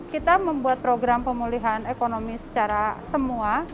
kita membuat program pemulihan ekonomi secara semua